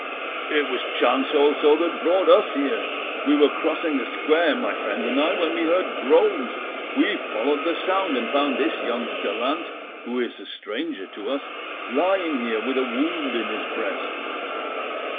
"It was chance also that brought us here. We were crossing the square, my friend and I, when we heard groans. We followed the sound, and found this young gallant, who is a stranger to us, lying here, with a wound in his breast."